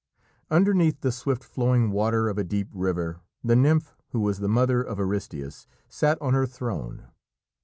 Underneath the swift flowing water of a deep river, the nymph who was the mother of Aristæus sat on her throne.